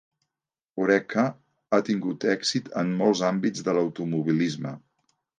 Oreca ha tingut èxit en molts àmbits de l'automobilisme.